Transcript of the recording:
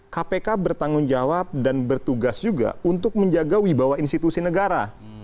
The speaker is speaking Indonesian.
kpk bertanggung jawab dan bertugas juga untuk menjaga wibawa institusi negara